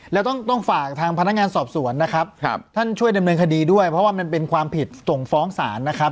แล้วต้องฝากทางพนักงานสอบสวนนะครับท่านช่วยดำเนินคดีด้วยเพราะว่ามันเป็นความผิดส่งฟ้องศาลนะครับ